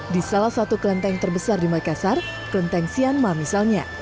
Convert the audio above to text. di salah satu kelenteng terbesar di makassar kelenteng sianma misalnya